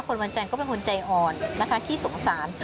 วันจันทร์ก็เป็นคนใจอ่อนนะคะขี้สงสาร